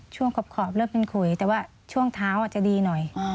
ขอบเริ่มเป็นขุยแต่ว่าช่วงเท้าอาจจะดีหน่อย